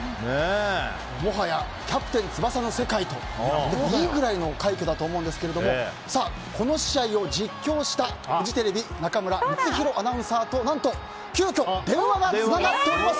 もはや「キャプテン翼」の世界と呼んでもいいぐらいの快挙だと思いますがこの試合を実況した、フジテレビ中村光宏アナウンサーと何と、急きょ電話がつながっております。